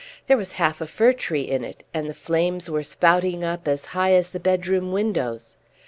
There was half a fir tree in it, and the flames were spouting up as high as the bedroom windows.